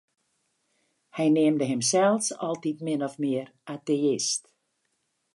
Hy neamde himsels altyd min of mear ateïst.